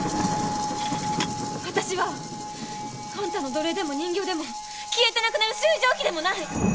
私はあんたの奴隷でも人形でも消えてなくなる水蒸気でもない。